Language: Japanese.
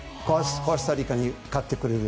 コスタリカに勝ってくれる。